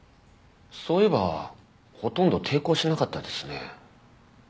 そういえばほとんど抵抗しなかったですね。